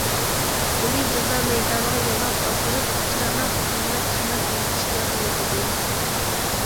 ئۇنى جازا مەيدانىغا يالاپ ئاپىرىپ، چاناپ قىيما - چىيما قىلىۋېتىشكە بۇيرۇدى.